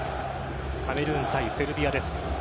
カメルーン対セルビアです。